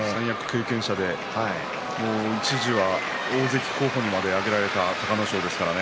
相手は三役経験者で一時は大関候補にも挙がった隆の勝ですからね。